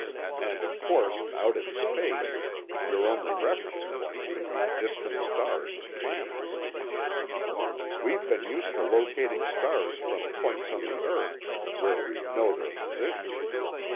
And of course out in space your only reference points would be distant stars and planets. We've been used to locating stars from points on the earth, where we know their position.